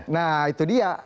nah itu dia